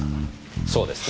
そうですね？